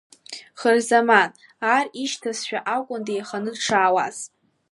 Хырзаман, ар ишьҭазшәа акәын деиханы дшаауаз.